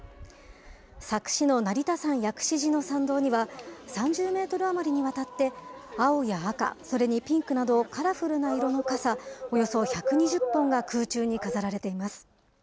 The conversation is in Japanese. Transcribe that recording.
佐久市の成田山薬師寺の参道には、３０メートル余りにわたって青や赤、それにピンクなど、カラフルな色の傘およそ１２０本が空中に飾られています。